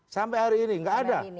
sampai hari ini nggak ada